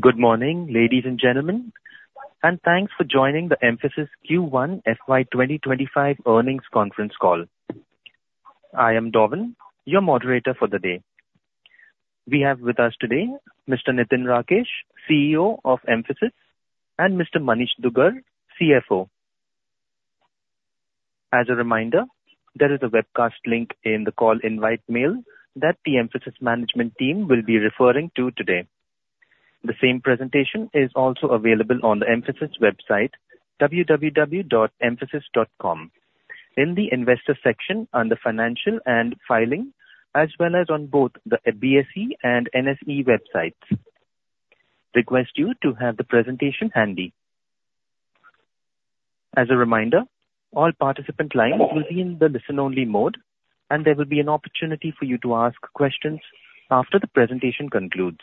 Good morning, ladies and gentlemen, and thanks for joining the Mphasis Q1 FY 2025 earnings conference call. I am Dorvin, your moderator for the day. We have with us today Mr. Nitin Rakesh, CEO of Mphasis, and Mr. Manish Dugar, CFO. As a reminder, there is a webcast link in the call invite mail that the Mphasis management team will be referring to today. The same presentation is also available on the Mphasis website, www.mphasis.com, in the investor section on the financials and filings, as well as on both the BSE and NSE websites. Request you to have the presentation handy. As a reminder, all participant lines will be in the listen-only mode, and there will be an opportunity for you to ask questions after the presentation concludes.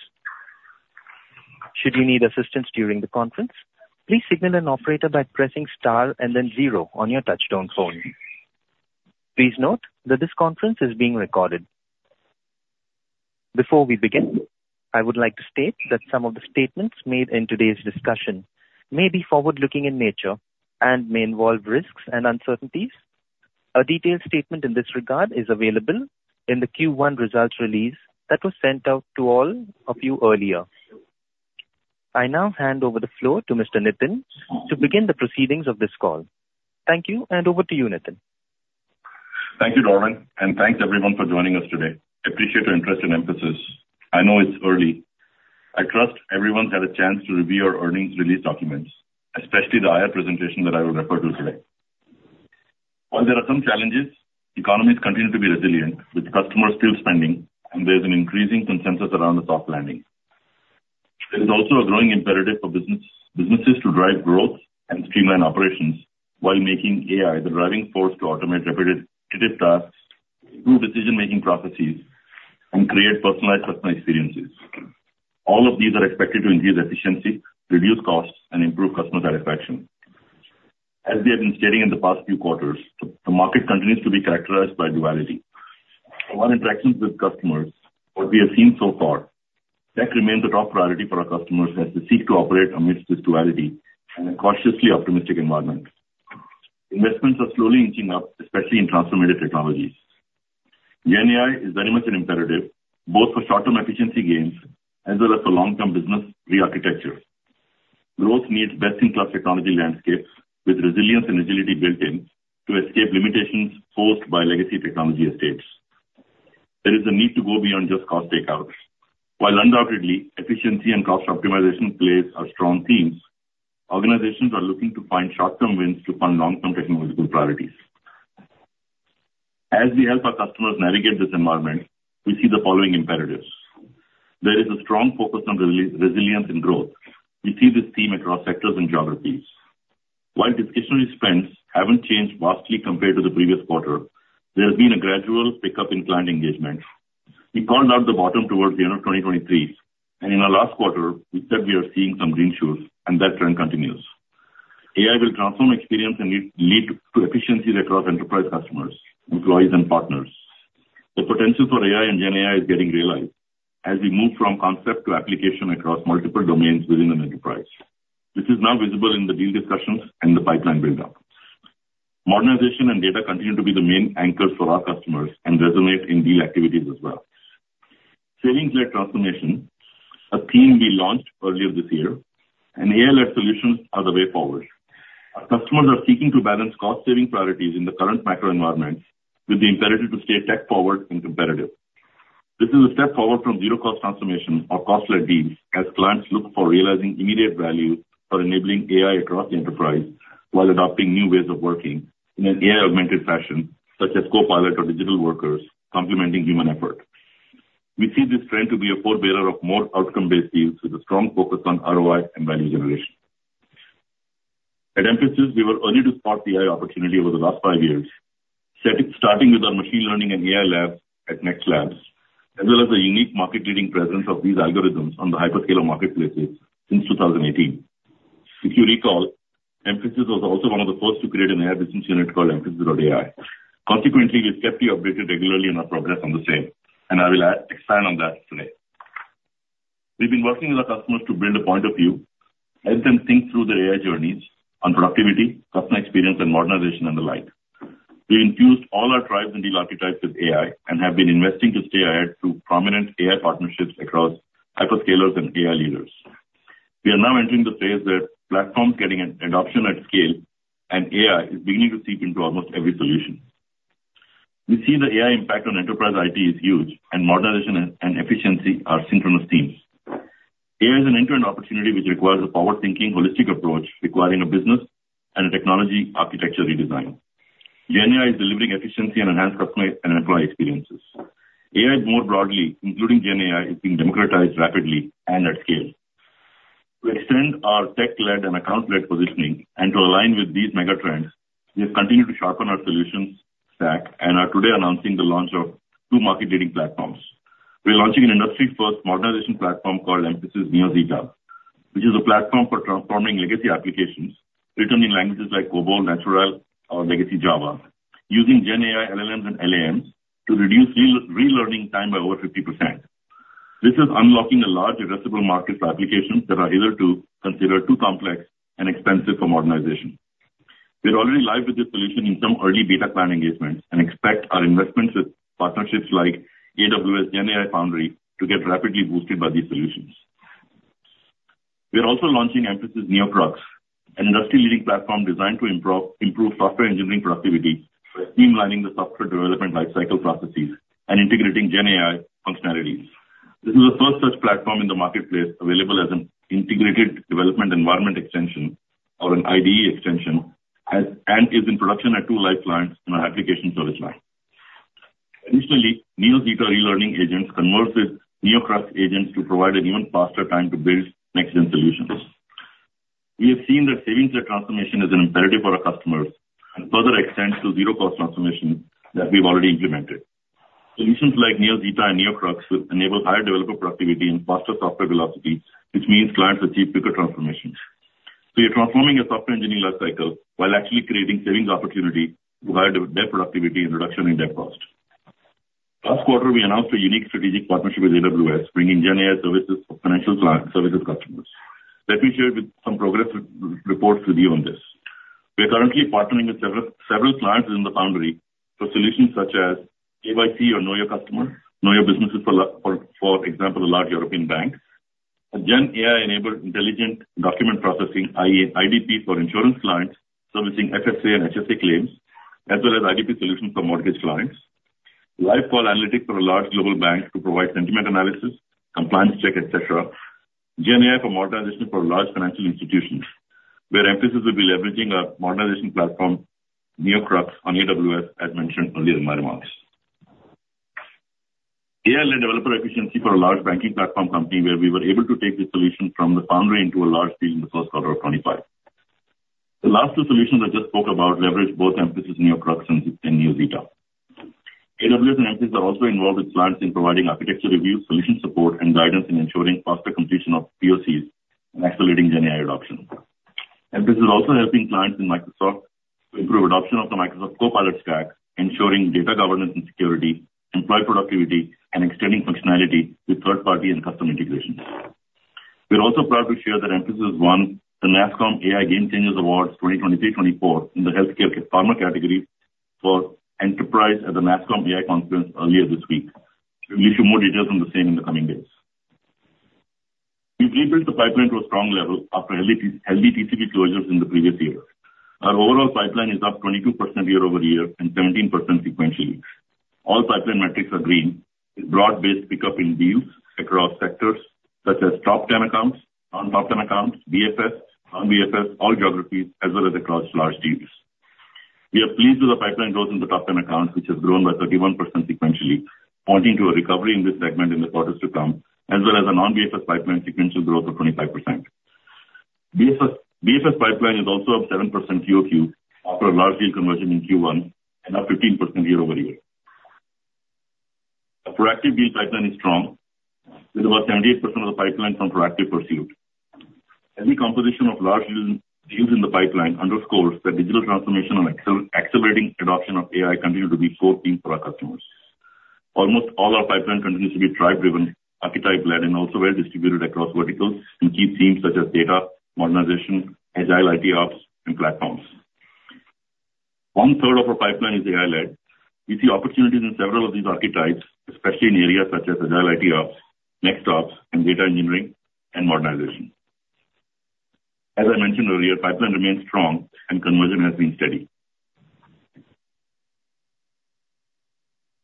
Should you need assistance during the conference, please signal an operator by pressing star and then zero on your touchtone phone. Please note that this conference is being recorded. Before we begin, I would like to state that some of the statements made in today's discussion may be forward-looking in nature and may involve risks and uncertainties. A detailed statement in this regard is available in the Q1 results release that was sent out to all of you earlier. I now hand over the floor to Mr. Nitin to begin the proceedings of this call. Thank you, and over to you, Nitin. Thank you, Dorvin, and thanks, everyone, for joining us today. I appreciate your interest in Mphasis. I know it's early. I trust everyone's had a chance to review our earnings release documents, especially the IR presentation that I will refer to today. While there are some challenges, economies continue to be resilient, with customers still spending, and there's an increasing consensus around the soft landing. There is also a growing imperative for business, businesses to drive growth and streamline operations while making AI the driving force to automate repetitive tasks, improve decision-making processes, and create personalized customer experiences. All of these are expected to increase efficiency, reduce costs, and improve customer satisfaction. As we have been stating in the past few quarters, the market continues to be characterized by duality. From our interactions with customers, what we have seen so far, tech remains a top priority for our customers as they seek to operate amidst this duality in a cautiously optimistic environment. Investments are slowly inching up, especially in transformative technologies. GenAI is very much an imperative, both for short-term efficiency gains as well as for long-term business rearchitecture. Growth needs best-in-class technology landscapes with resilience and agility built in to escape limitations forced by legacy technology estates. There is a need to go beyond just cost takeouts. While undoubtedly efficiency and cost optimization plays are strong themes, organizations are looking to find short-term wins to fund long-term technological priorities. As we help our customers navigate this environment, we see the following imperatives: There is a strong focus on resilience and growth. We see this theme across sectors and geographies. While discretionary spends haven't changed vastly compared to the previous quarter, there has been a gradual pickup in client engagement. We called out the bottom towards the end of 2023, and in our last quarter, we said we are seeing some green shoots, and that trend continues. AI will transform experience and lead to efficiencies across enterprise customers, employees, and partners. The potential for AI and Gen AI is getting realized as we move from concept to application across multiple domains within an enterprise. This is now visible in the deal discussions and the pipeline buildup. Modernization and data continue to be the main anchors for our customers and resonate in deal activities as well. Savings-led transformation, a theme we launched earlier this year, and AI-led solutions are the way forward. Our customers are seeking to balance cost-saving priorities in the current macro environment with the imperative to stay tech forward and competitive. This is a step forward from zero-cost transformation or cost-led deals as clients look for realizing immediate value for enabling AI across the enterprise while adopting new ways of working in an AI-augmented fashion, such as Copilot or digital workers complementing human effort. We see this trend to be a forerunner of more outcome-based deals with a strong focus on ROI and value generation. At Mphasis, we were early to spot the AI opportunity over the last five years, set it starting with our machine learning and AI lab at NEXT Labs, as well as the unique market-leading presence of these algorithms on the hyperscaler marketplaces since 2018. If you recall, Mphasis was also one of the first to create an AI business unit called Mphasis.ai. Consequently, we've kept you updated regularly on our progress on the same, and I will add, expand on that today. We've been working with our customers to build a point of view, help them think through their AI journeys on productivity, customer experience, and modernization, and the like. We infused all our tribes and deal archetypes with AI and have been investing to stay ahead through prominent AI partnerships across hyperscalers and AI leaders. We are now entering the phase where platforms getting an adoption at scale and AI is beginning to seep into almost every solution. We see the AI impact on enterprise IT is huge, and modernization and efficiency are synchronous themes. AI is an end-to-end opportunity, which requires a forward-thinking, holistic approach requiring a business and a technology architecture redesign. Gen AI is delivering efficiency and enhanced customer and employee experiences. AI more broadly, including Gen AI, is being democratized rapidly and at scale. To extend our tech-led and account-led positioning and to align with these mega trends, we have continued to sharpen our solutions stack and are today announcing the launch of two market-leading platforms. We're launching an industry-first modernization platform called Mphasis NeoZeta, which is a platform for transforming legacy applications written in languages like COBOL, Natural, or Legacy Java. Using Gen AI, LLMs, and LAMs to reduce relearning time by over 50%. This is unlocking a large addressable market for applications that are either considered too complex and expensive for modernization. We're already live with this solution in some early beta plan engagements and expect our investments with partnerships like AWS GenAI Foundry to get rapidly boosted by these solutions. We are also launching Mphasis NeoCrux, an industry-leading platform designed to improve software engineering productivity by streamlining the software development lifecycle processes and integrating GenAI functionalities. This is the first such platform in the marketplace available as an integrated development environment extension or an IDE extension, and is in production at two live clients in our application service line. Additionally, NeoZeta Relearning Agent converses with NeoCrux agents to provide an even faster time to build next-gen solutions. We have seen that savings and transformation is an imperative for our customers, and further extends to Zero Cost Transformation that we've already implemented. Solutions like NeoZeta and NeoCrux will enable higher developer productivity and faster software velocity, which means clients achieve quicker transformations. So we are transforming a software engineering lifecycle while actually creating savings opportunity through higher dev productivity and reduction in dev cost. Last quarter, we announced a unique strategic partnership with AWS, bringing GenAI services for financial client services customers. Let me share with some progress reports with you on this. We are currently partnering with several clients in the Foundry for solutions such as KYC or Know Your Customer, Know Your Business for, for example, a large European bank. A GenAI-enabled intelligent document processing, i.e., IDP for insurance clients servicing FSA and HSA claims, as well as IDP solutions for mortgage clients. Live call analytics for a large global bank to provide sentiment analysis, compliance check, et cetera. GenAI for modernization for large financial institutions, where Mphasis will be leveraging our modernization platform, NeoCrux, on AWS, as mentioned earlier in my remarks. AI and developer efficiency for a large banking platform company where we were able to take the solution from the Foundry into a large deal in the first quarter of 2025. The last two solutions I just spoke about leverage both Mphasis NeoCrux and NeoZeta. AWS and Mphasis are also involved with clients in providing architecture reviews, solution support, and guidance in ensuring faster completion of POCs and accelerating GenAI adoption. Mphasis is also helping clients in Microsoft to improve adoption of the Microsoft Copilot stack, ensuring data governance and security, employee productivity, and extending functionality to third-party and custom integrations. We are also proud to share that Mphasis won the NASSCOM AI Gamechangers Awards 2023, 2024 in the healthcare pharma category for enterprise at the NASSCOM AI Conference earlier this week. We'll give you more details on the same in the coming days. We've rebuilt the pipeline to a strong level after healthy TCV closures in the previous year. Our overall pipeline is up 22% year-over-year and 17% sequentially. All pipeline metrics are green, with broad-based pickup in deals across sectors such as top 10 accounts, non-top 10 accounts, BFS, non-BFS, all geographies, as well as across large deals. We are pleased with the pipeline growth in the top 10 accounts, which has grown by 31% sequentially, pointing to a recovery in this segment in the quarters to come, as well as a non-BFS pipeline sequential growth of 25%. BFS pipeline is also up 7% QoQ after a large deal conversion in Q1 and up 15% year-over-year. Our proactive deal pipeline is strong, with about 78% of the pipeline from proactive pursuit. Heavy composition of large deals, deals in the pipeline underscores that digital transformation on accelerating adoption of AI continue to be core theme for our customers. Almost all our pipeline continues to be driven, archetype-led, and also well distributed across verticals in key themes such as data, modernization, Agile IT Ops, and platforms. One third of our pipeline is AI-led. We see opportunities in several of these archetypes, especially in areas such as Agile IT Ops, NextOps, and data engineering and modernization. As I mentioned earlier, pipeline remains strong and conversion has been steady.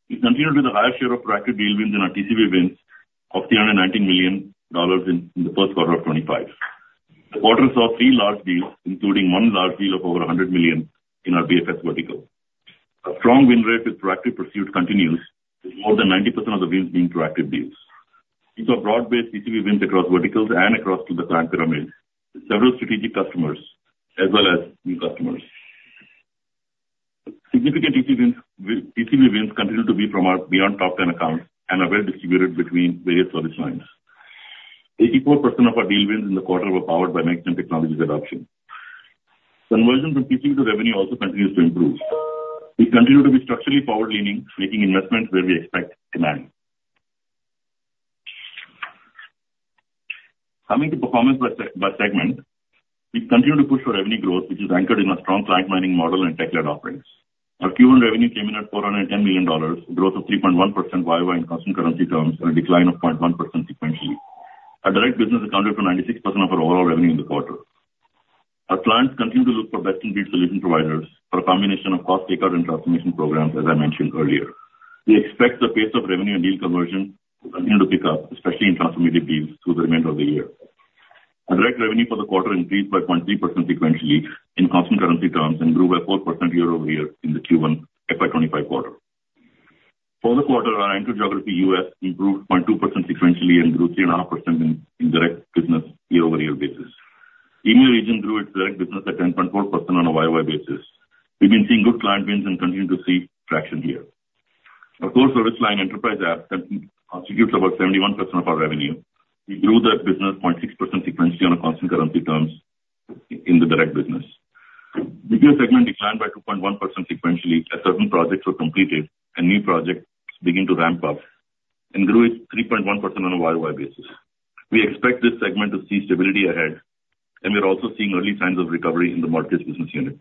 We continue with the highest share of proactive deal wins in our TCV wins of $319 million in the first quarter of 2025. The quarter saw three large deals, including one large deal of over $100 million in our BFS vertical. A strong win rate with proactive pursuit continues, with more than 90% of the wins being proactive deals. These are broad-based TCV wins across verticals and across to the client pyramid, with several strategic customers as well as new customers. Significant TCV wins, TCV wins continue to be from our beyond top ten accounts and are well distributed between various service lines. 84% of our deal wins in the quarter were powered by next-gen technologies adoption. Conversion from TCV to revenue also continues to improve. We continue to be structurally forward-leaning, making investments where we expect demand. Coming to performance by segment, we continue to push for revenue growth, which is anchored in our strong client mining model and tech-led offerings. Our Q1 revenue came in at $410 million, a growth of 3.1% year-over-year in constant currency terms and a decline of 0.1% sequentially. Our direct business accounted for 96% of our overall revenue in the quarter. Our clients continue to look for best-in-breed solution providers for a combination of cost takeout and transformation programs, as I mentioned earlier. We expect the pace of revenue and deal conversion to continue to pick up, especially in transformative deals, through the remainder of the year. Our direct revenue for the quarter increased by 0.3% sequentially in constant currency terms and grew by 4% year-over-year in the Q1 FY 2025 quarter. For the quarter, our key geography, U.S., improved 0.2% sequentially and grew 3.5% in direct business year-over-year basis. India region grew its direct business at 10.4% on a YoY basis. We've been seeing good client wins and continue to see traction here. Our core service line, enterprise apps, that constitutes about 71% of our revenue. We grew that business 0.6% sequentially on a constant currency terms in the direct business. BPO segment declined by 2.1% sequentially, as certain projects were completed and new projects begin to ramp up, and grew it 3.1% on a YoY basis. We expect this segment to see stability ahead, and we are also seeing early signs of recovery in the mortgage business unit.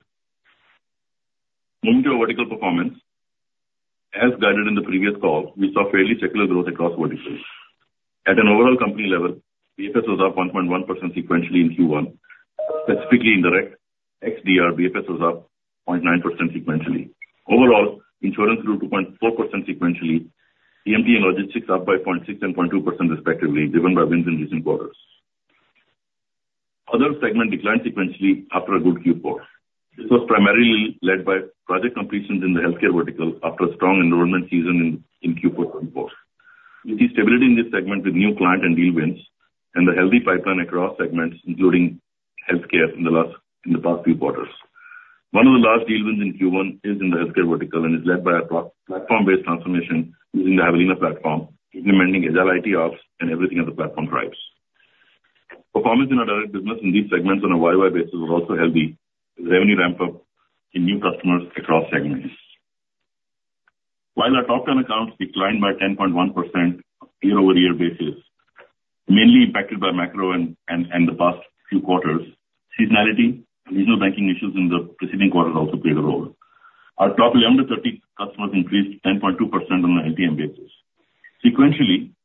Moving to our vertical performance. As guided in the previous call, we saw fairly secular growth across verticals. At an overall company level, BFS was up 1.1% sequentially in Q1. Specifically, in Direct ex-DR, BFS was up 0.9% sequentially. Overall, insurance grew 2.4% sequentially, TMT and logistics up by 0.6% and 0.2% respectively, driven by wins in recent quarters. Others segment declined sequentially after a good Q4. This was primarily led by project completions in the healthcare vertical after a strong enrollment season in Q4 2024. We see stability in this segment with new client and deal wins and the healthy pipeline across segments, including healthcare in the past few quarters. One of the large deal wins in Q1 is in the healthcare vertical and is led by a pro- platform-based transformation using the Javelina platform, implementing Agile IT Ops and everything as a platform drives. Performance in our direct business in these segments on a YoY basis was also healthy, with revenue ramp up in new customers across segments. While our top 10 accounts declined by 10.1% on year-over-year basis, mainly impacted by macro and the past few quarters, seasonality and regional banking issues in the preceding quarter also played a role. Our top 11 to 30 customers increased 10.2% on an LTM basis. Sequentially,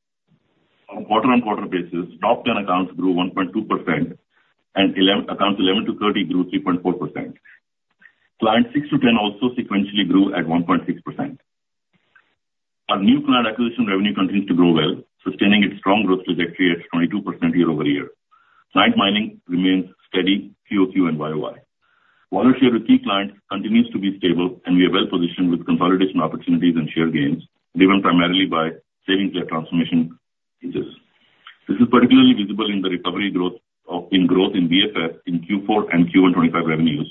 on a quarter-on-quarter basis, top 10 accounts grew 1.2% and accounts 11 to 30 grew 3.4%. Clients six to 10 also sequentially grew at 1.6%. Our new client acquisition revenue continues to grow well, sustaining its strong growth trajectory at 22% year-over-year. Client mining remains steady QoQ and YOY. Market share with key clients continues to be stable, and we are well positioned with consolidation opportunities and share gains, driven primarily by savings led transformation features. This is particularly visible in the recovery growth in BFS in Q4 and Q1 2025 revenues,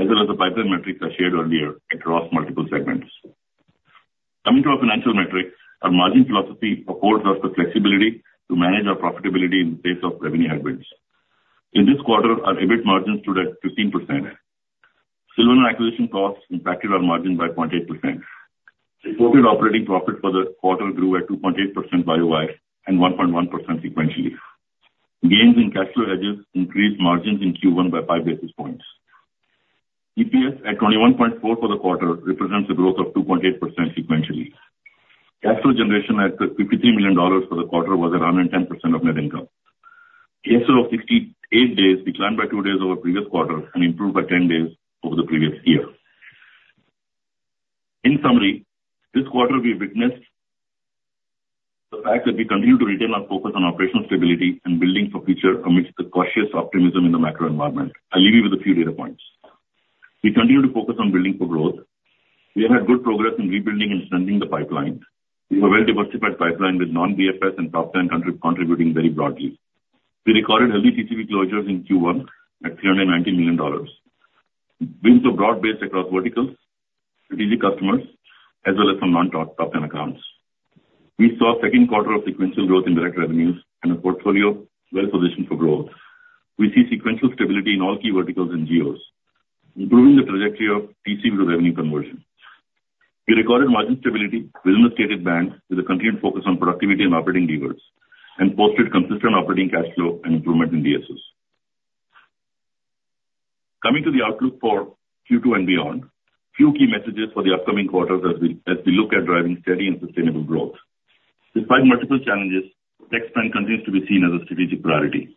as well as the pipeline metrics I shared earlier across multiple segments. Coming to our financial metrics, our margin philosophy affords us the flexibility to manage our profitability in the face of revenue headwinds. In this quarter, our EBIT margin stood at 15%. Silverline acquisition costs impacted our margin by 0.8%. Reported operating profit for the quarter grew at 2.8% YOY and 1.1% sequentially. Gains in cash flow hedges increased margins in Q1 by 5 basis points. EPS at 21.4 for the quarter represents a growth of 2.8% sequentially. Cash flow generation at $53 million for the quarter was around 10% of net income. Cash flow of 68 days declined by two days over previous quarter and improved by 10 days over the previous year. In summary, this quarter we witnessed the fact that we continue to retain our focus on operational stability and building for future amidst the cautious optimism in the macro environment. I'll leave you with a few data points. We continue to focus on building for growth. We have had good progress in rebuilding and extending the pipeline. We have a well-diversified pipeline with non-BFS and top ten contributing very broadly. We recorded healthy TCV closures in Q1 at $390 million. Wins were broad-based across verticals, strategic customers, as well as some non-top ten accounts. We saw a second quarter of sequential growth in direct revenues and a portfolio well positioned for growth. We see sequential stability in all key verticals and geos, improving the trajectory of TCV revenue conversion. We recorded margin stability within the stated band, with a continued focus on productivity and operating levers, and posted consistent operating cash flow and improvement in DSOs. Coming to the outlook for Q2 and beyond, few key messages for the upcoming quarters as we look at driving steady and sustainable growth. Despite multiple challenges, tech spend continues to be seen as a strategic priority.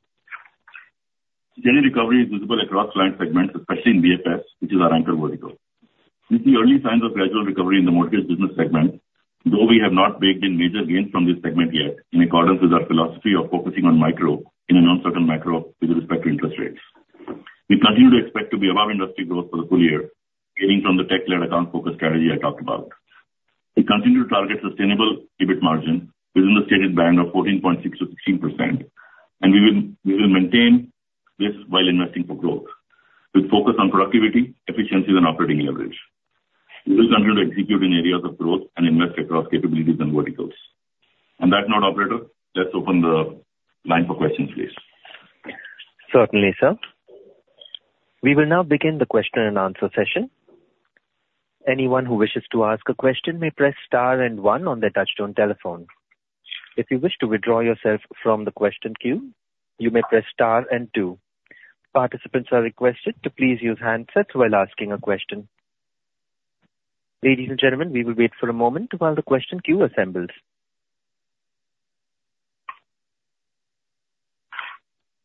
General recovery is visible across client segments, especially in BFS, which is our anchor vertical. We see early signs of gradual recovery in the mortgage business segment, though we have not baked in major gains from this segment yet, in accordance with our philosophy of focusing on micro in an uncertain macro with respect to interest rates. We continue to expect to be above industry growth for the full year, gaining from the tech-led account focus strategy I talked about. We continue to target sustainable EBIT margin within the stated band of 14.6%-16%, and we will, we will maintain this while investing for growth. We'll focus on productivity, efficiencies, and operating leverage. We will continue to execute in areas of growth and invest across capabilities and verticals. On that note, operator, let's open the line for questions, please. Certainly, sir. We will now begin the question and answer session. Anyone who wishes to ask a question may press star and one on their touchtone telephone. If you wish to withdraw yourself from the question queue, you may press star and two. Participants are requested to please use handsets while asking a question. Ladies and gentlemen, we will wait for a moment while the question queue assembles.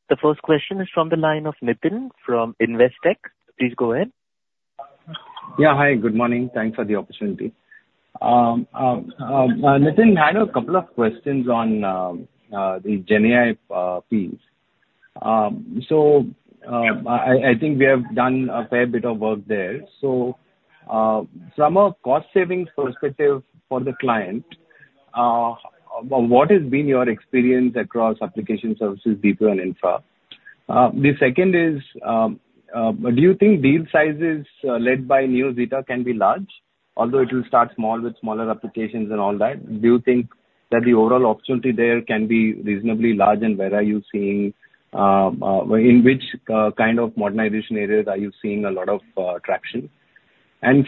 The first question is from the line of Nitin from Investec. Please go ahead. Yeah. Hi, good morning. Thanks for the opportunity. Nitin, I had a couple of questions on the GenAI piece. So, I think we have done a fair bit of work there. So, from a cost savings perspective for the client, what has been your experience across application services, BPO and infra? The second is, do you think deal sizes led by GenAI can be large?... although it will start small with smaller applications and all that, do you think that the overall opportunity there can be reasonably large? And where are you seeing in which kind of modernization areas are you seeing a lot of traction?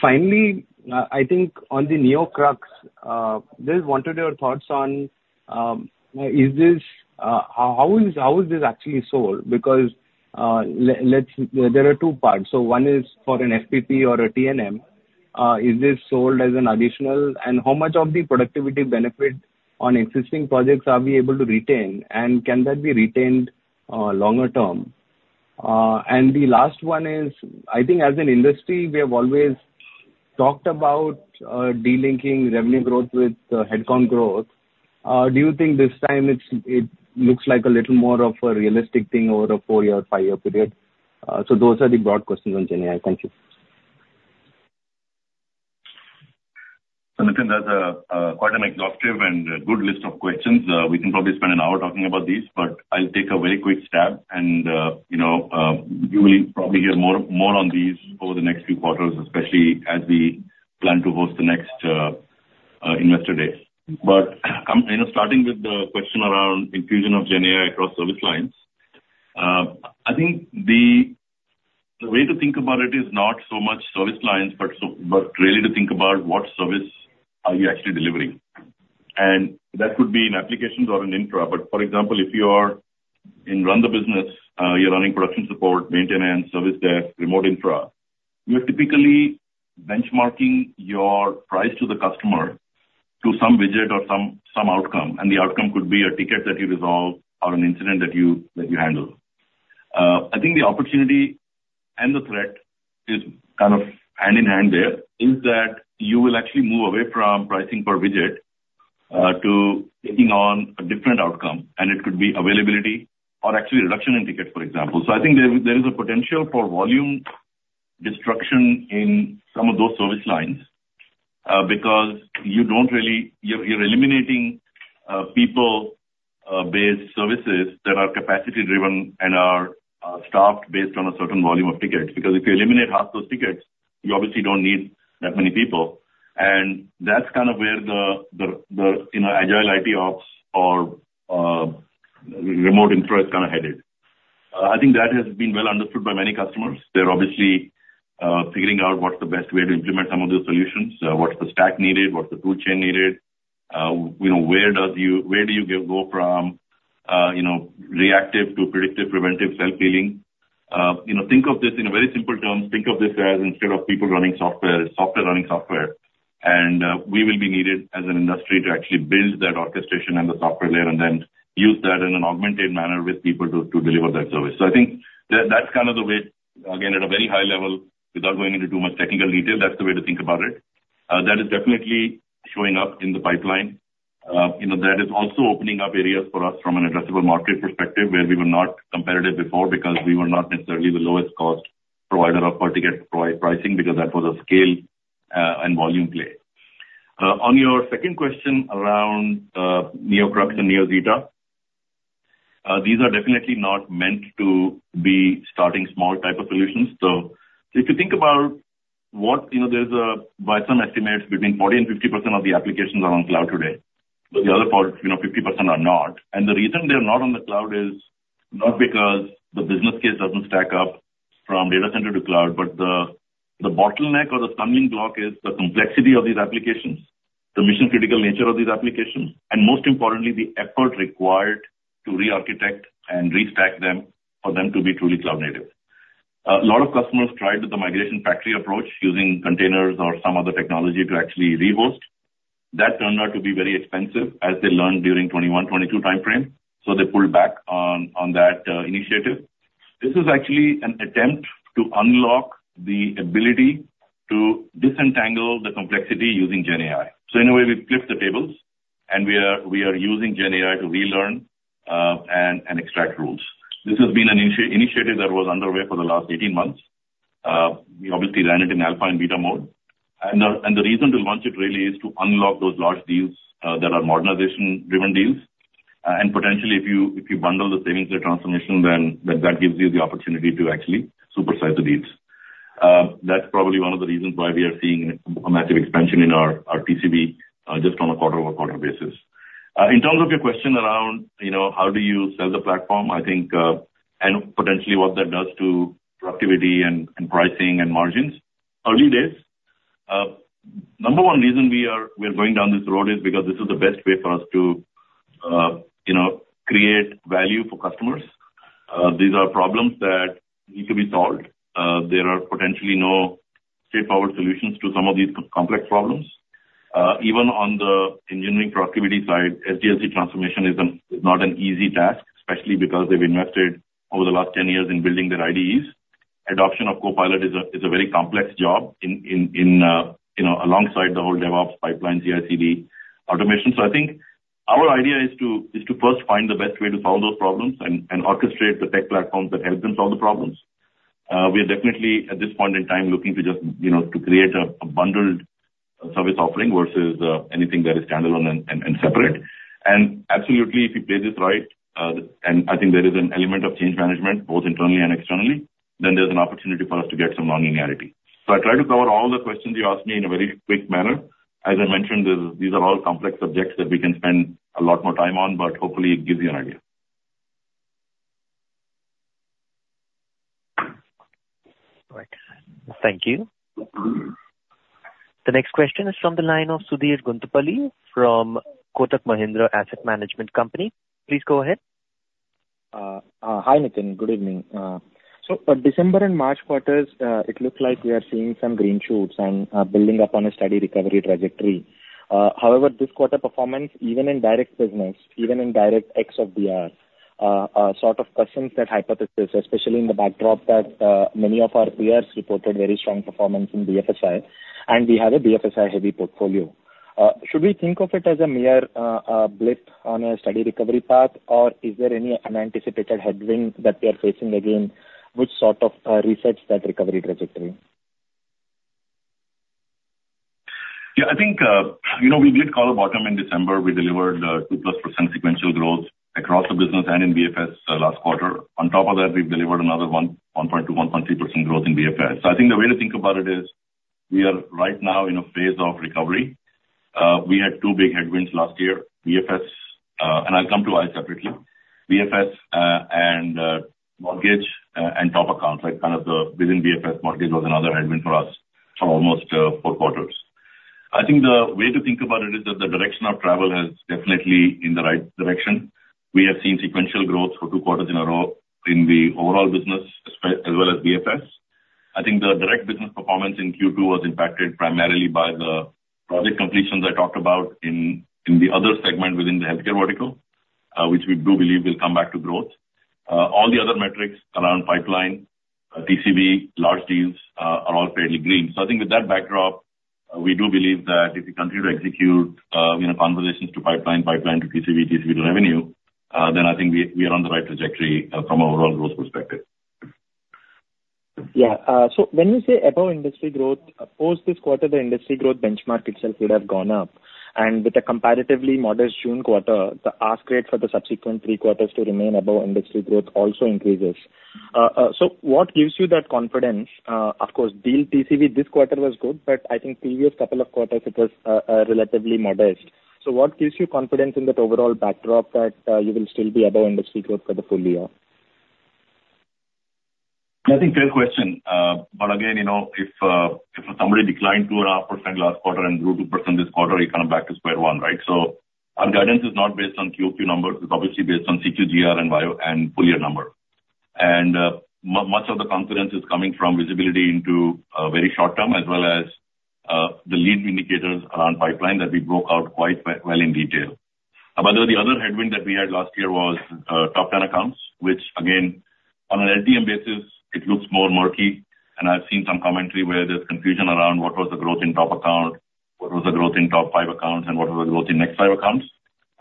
Finally, I think on the NeoCrux, just wanted your thoughts on how is this actually sold? Because, let's, there are two parts. So one is for an FPP or a T&M, is this sold as an additional? And how much of the productivity benefit on existing projects are we able to retain, and can that be retained longer term? And the last one is, I think as an industry, we have always talked about delinking revenue growth with head count growth. Do you think this time it's, it looks like a little more of a realistic thing over a four-year or five-year period? So those are the broad questions on GenAI. Thank you. So Nitin, that's quite an exhaustive and good list of questions. We can probably spend an hour talking about these, but I'll take a very quick stab and, you know, you will probably hear more on these over the next few quarters, especially as we plan to host the next Investor Day. But, you know, starting with the question around infusion of GenAI across service lines. I think the way to think about it is not so much service lines, but really to think about what service are you actually delivering. And that could be in applications or in infra. But for example, if you are in run the business, you're running production support, maintenance, service desk, remote infra, you're typically benchmarking your price to the customer to some widget or some outcome, and the outcome could be a ticket that you resolve or an incident that you handle. I think the opportunity and the threat is kind of hand in hand there, is that you will actually move away from pricing per widget to taking on a different outcome, and it could be availability or actually reduction in tickets, for example. So I think there is a potential for volume destruction in some of those service lines, because you don't really... You're eliminating people-based services that are capacity driven and are staffed based on a certain volume of tickets. Because if you eliminate half those tickets, you obviously don't need that many people, and that's kind of where you know, Agile IT Ops or remote infra is kind of headed. I think that has been well understood by many customers. They're obviously figuring out what's the best way to implement some of those solutions. What's the stack needed, what's the toolchain needed? You know, where do you go from, you know, reactive to predictive, preventive, self-healing? You know, think of this in a very simple term. Think of this as instead of people running software, it's software running software. And we will be needed as an industry to actually build that orchestration and the software layer, and then use that in an augmented manner with people to deliver that service. So I think that, that's kind of the way, again, at a very high level, without going into too much technical detail, that's the way to think about it. That is definitely showing up in the pipeline. You know, that is also opening up areas for us from an addressable market perspective, where we were not competitive before because we were not necessarily the lowest cost provider of per ticket pricing, because that was a scale and volume play. On your second question around NeoCrux and NeoZeta, these are definitely not meant to be starting small type of solutions. So if you think about what... You know, there's by some estimates, between 40%-50% of the applications are on cloud today. So the other part, you know, 50% are not. The reason they're not on the cloud is not because the business case doesn't stack up from data center to cloud, but the bottleneck or the stumbling block is the complexity of these applications, the mission-critical nature of these applications, and most importantly, the effort required to rearchitect and restack them for them to be truly cloud native. A lot of customers tried with the migration factory approach using containers or some other technology to actually rehost. That turned out to be very expensive, as they learned during 2021, 2022 timeframe, so they pulled back on that initiative. This is actually an attempt to unlock the ability to disentangle the complexity using GenAI. So in a way, we've flipped the tables, and we are using GenAI to relearn and extract rules. This has been an initiative that was underway for the last 18 months. We obviously ran it in alpha and beta mode. And the reason to launch it really is to unlock those large deals that are modernization-driven deals. And potentially, if you bundle the savings and transformation, then that gives you the opportunity to actually supersize the deals. That's probably one of the reasons why we are seeing a massive expansion in our TCV just on a quarter-over-quarter basis. In terms of your question around, you know, how do you sell the platform? I think, and potentially what that does to productivity and pricing and margins. Early days. Number one reason we're going down this road is because this is the best way for us to, you know, create value for customers. These are problems that need to be solved. There are potentially no straightforward solutions to some of these complex problems. Even on the engineering productivity side, SDLC transformation is not an easy task, especially because they've invested over the last 10 years in building their IDEs. Adoption of Copilot is a very complex job in, you know, alongside the whole DevOps pipeline, CI/CD automation. So I think our idea is to first find the best way to solve those problems and orchestrate the tech platforms that help them solve the problems. We are definitely, at this point in time, looking to just, you know, to create a bundled service offering versus anything that is standalone and separate. And absolutely, if we play this right, and I think there is an element of change management, both internally and externally, then there's an opportunity for us to get some non-linearity. So I tried to cover all the questions you asked me in a very quick manner. As I mentioned, these are all complex subjects that we can spend a lot more time on, but hopefully it gives you an idea. Right. Thank you. The next question is from the line of Sudheer Guntupalli from Kotak Mahindra Asset Management Company. Please go ahead. Hi, Nitin. Good evening. So for December and March quarters, it looks like we are seeing some green shoots and, building up on a steady recovery trajectory. However, this quarter performance, even in direct business, even in direct ex-DR, sort of questions that hypothesis, especially in the backdrop that, many of our peers reported very strong performance in BFSI, and we have a BFSI-heavy portfolio. Should we think of it as a mere, blip on a steady recovery path? Or is there any unanticipated headwind that we are facing again, which sort of, resets that recovery trajectory? Yeah, I think, you know, we did call a bottom in December. We delivered, 2%+ sequential growth across the business and in BFS last quarter. On top of that, we've delivered another 1.2-1.3% growth in BFS. So I think the way to think about it is we are right now in a phase of recovery. We had two big headwinds last year, BFS, and I'll come to it separately. BFS and mortgage and top accounts, like, kind of the within BFS, mortgage was another headwind for us for almost four quarters. I think the way to think about it is that the direction of travel is definitely in the right direction. We have seen sequential growth for two quarters in a row in the overall business, as well as BFS. I think the direct business performance in Q2 was impacted primarily by the project completions I talked about in the other segment within the healthcare vertical, which we do believe will come back to growth. All the other metrics around pipeline, TCV, large deals, are all fairly green. So I think with that backdrop, we do believe that if we continue to execute, you know, conversations to pipeline, pipeline to TCV, TCV to revenue, then I think we are on the right trajectory from an overall growth perspective. Yeah. So when you say above industry growth, post this quarter, the industry growth benchmark itself would have gone up, and with a comparatively modest June quarter, the ask rate for the subsequent three quarters to remain above industry growth also increases. So what gives you that confidence? Of course, deal TCV this quarter was good, but I think previous couple of quarters it was relatively modest. So what gives you confidence in that overall backdrop that you will still be above industry growth for the full year? I think fair question. But again, you know, if somebody declined 2.5% last quarter and grew 2% this quarter, you're kind of back to square one, right? So our guidance is not based on QoQ numbers. It's obviously based on CQGR and YoY and full year number. And much of the confidence is coming from visibility into a very short term, as well as the lead indicators around pipeline that we broke out quite well in detail. By the way, the other headwind that we had last year was top 10 accounts, which again, on an LTM basis, it looks more murky. And I've seen some commentary where there's confusion around what was the growth in top account, what was the growth in top five accounts, and what was the growth in next five accounts.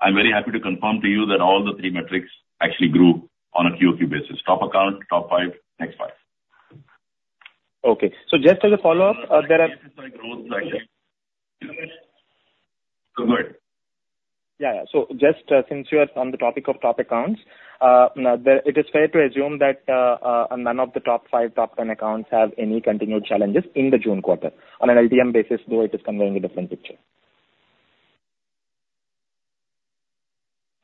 I'm very happy to confirm to you that all the three metrics actually grew on a QoQ basis. Top account, top five, next five. Okay. So just as a follow-up, there are- Go ahead. Yeah, yeah. So just, since you are on the topic of top accounts, now. It is fair to assume that none of the top five, top 10 accounts have any continued challenges in the June quarter. On an LTM basis, though, it is conveying a different picture.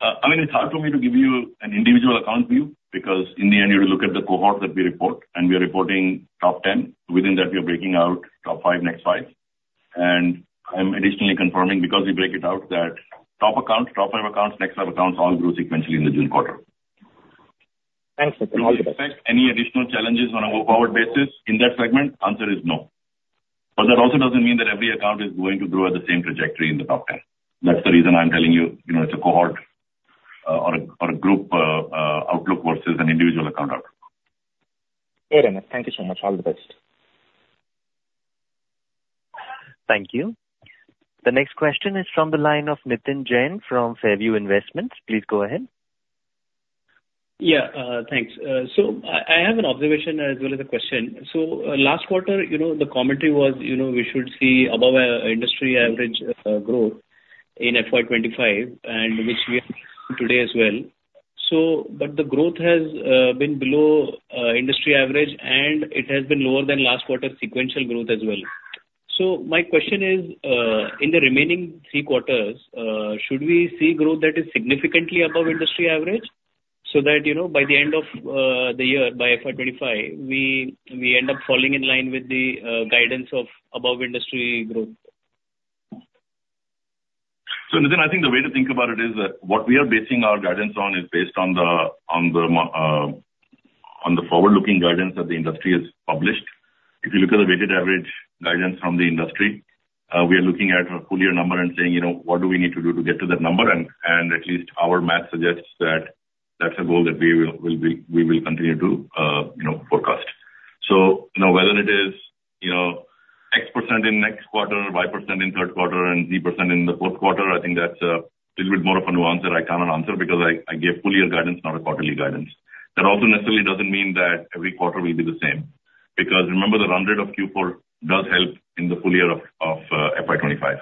I mean, it's hard for me to give you an individual account view, because in the end, you look at the cohort that we report, and we are reporting top 10. Within that, we are breaking out top five, next five. And I'm additionally confirming, because we break it out, that top account, top five accounts, next five accounts all grew sequentially in the June quarter. Thanks, Nitin. Do you expect any additional challenges on a go-forward basis in that segment? Answer is no. But that also doesn't mean that every account is going to grow at the same trajectory in the top 10. That's the reason I'm telling you, you know, it's a cohort, or a group, outlook versus an individual account outlook. Great, Nitin. Thank you so much. All the best. Thank you. The next question is from the line of Nitin Jain from Fairview Investments. Please go ahead. Yeah, thanks. So, I have an observation as well as a question. So, last quarter, you know, the commentary was, you know, we should see above industry average growth in FY 25, and which we have today as well. So, but the growth has been below industry average, and it has been lower than last quarter's sequential growth as well. So my question is, in the remaining three quarters, should we see growth that is significantly above industry average? So that, you know, by the end of the year, by FY 25, we end up falling in line with the guidance of above industry growth. So, Nitin, I think the way to think about it is that what we are basing our guidance on is based on the forward-looking guidance that the industry has published. If you look at the weighted average guidance from the industry, we are looking at a full year number and saying, you know, "What do we need to do to get to that number?" And at least our math suggests that that's a goal that we will continue to, you know, forecast. So, you know, whether it is, you know, X% in next quarter, Y% in third quarter, and Z% in the fourth quarter, I think that's a little bit more of a nuance that I cannot answer because I gave full year guidance, not a quarterly guidance. That also necessarily doesn't mean that every quarter will be the same, because remember that run rate of Q4 does help in the full year of FY 2025,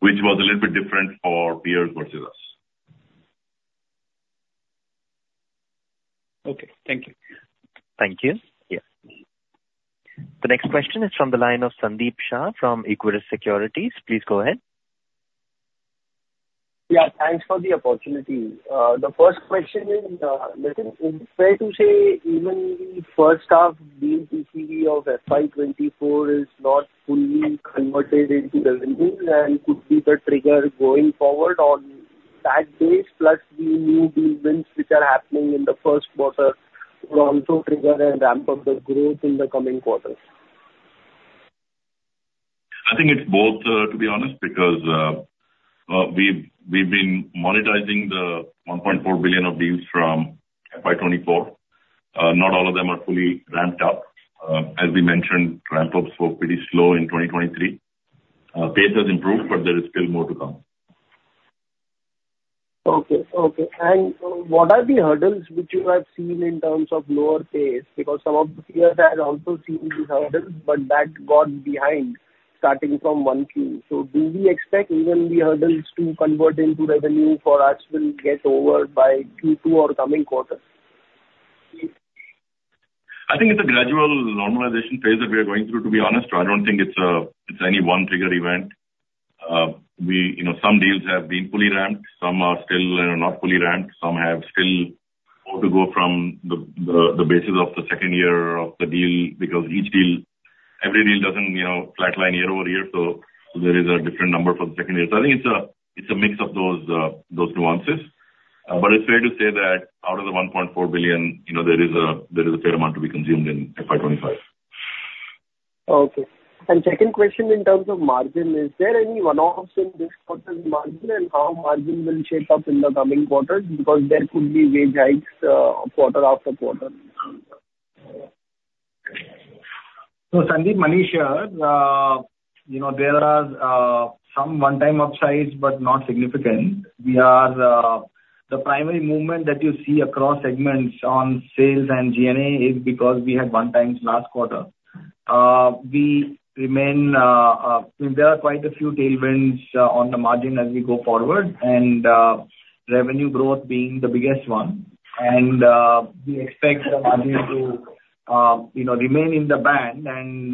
which was a little bit different for peers versus us. Okay. Thank you. Thank you. Yeah. The next question is from the line of Sandeep Shah from Equirus Securities. Please go ahead. Yeah, thanks for the opportunity. The first question is, let's say, is fair to say even the first half deal TCV of FY 2024 is not fully converted into revenue and could be the trigger going forward on that base, plus the new deals wins which are happening in the first quarter will also trigger and ramp up the growth in the coming quarters? I think it's both, to be honest, because we've been monetizing the $1.4 billion of deals from FY 2024. Not all of them are fully ramped up. As we mentioned, ramp ups were pretty slow in 2023. Pace has improved, but there is still more to come. Okay. Okay. And what are the hurdles which you have seen in terms of lower pace? Because some of the peers have also seen these hurdles, but that got behind starting from 1Q. So do we expect even the hurdles to convert into revenue for us will get over by Q2 or coming quarters? I think it's a gradual normalization phase that we are going through, to be honest. I don't think it's it's any one trigger event. We... You know, some deals have been fully ramped, some are still, not fully ramped, some have still more to go from the, the bases of the second year of the deal, because each deal, every deal doesn't, you know, flatline year-over-year, so there is a different number for the second year. So I think it's a, it's a mix of those, those nuances. But it's fair to say that out of the $1.4 billion, you know, there is a fair amount to be consumed in FY 2025. Okay. Second question in terms of margin, is there any one-offs in this quarter's margin, and how margin will shape up in the coming quarters? Because there could be wage hikes, quarter-after-quarter. So Sandeep, Manish here. You know, there are some one-time upsides, but not significant. We are. The primary movement that you see across segments on sales and G&A is because we had one times last quarter. We remain, there are quite a few tailwinds on the margin as we go forward, and revenue growth being the biggest one. And we expect the margin to, you know, remain in the band, and